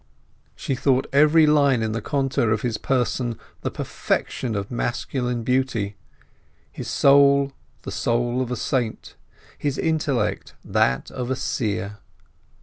She thought every line in the contour of his person the perfection of masculine beauty, his soul the soul of a saint, his intellect that of a seer.